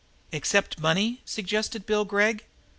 "Except money," suggested Bill Gregg.